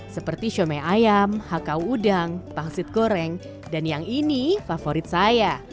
seperti shomai ayam hakau udang pangsit goreng dan yang ini favorit saya